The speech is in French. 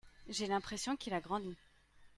j'ai l'impression qu'il a grandi.